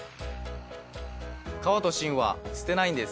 皮と芯は捨てないんです。